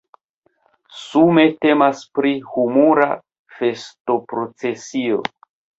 Sume temas pri humura festoprocesio.